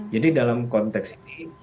jadi dalam konteks ini